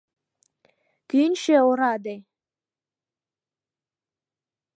Кӱнчӧ, ораде».